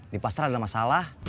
di pasar ada masalah